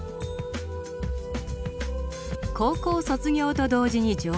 高校卒業と同時に上京。